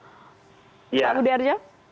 pak budi arjo